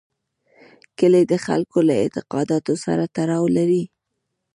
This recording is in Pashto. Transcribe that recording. کلي د خلکو له اعتقاداتو سره تړاو لري.